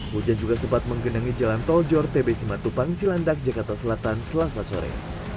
hujan juga sempat menggenangi jalan tol jor tb simatupang cilandak jakarta selatan selasa sore